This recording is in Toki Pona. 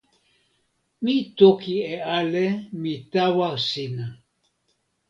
mi toki e ale mi tawa sina.